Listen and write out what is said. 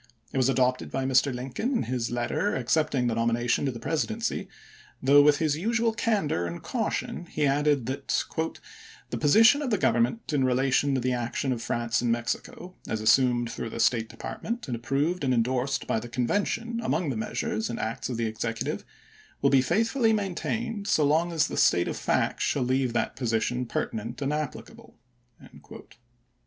It was adopted by Mr. Lincoln in his letter accepting the nomination to the Presi dency, though with his usual candor and caution he added that " the position of the Government in rela tion to the action of France in Mexico, as assumed through the State Department and approved and in dorsed by the Convention among the measures and acts of the executive, will be faithfully maintained so long as the state of facts shall leave that position Committee, pertinent and applicable."